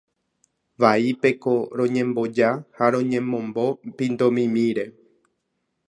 Vaípeko roñemboja ha roñemombo pindomimíre.